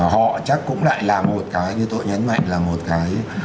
họ chắc cũng lại làm một cái như tôi nhấn mạnh là một cái